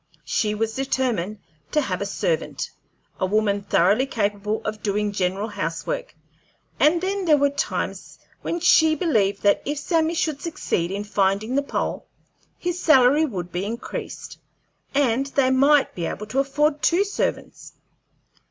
She was determined to have a servant, a woman thoroughly capable of doing general house work; and then there were times when she believed that if Sammy should succeed in finding the pole his salary would be increased, and they might be able to afford two servants.